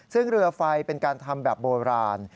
ซึ่งเรือไฟเป็นการทำแบบโบราณ